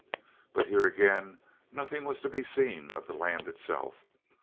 But here again nothing was to be seen of the land itself.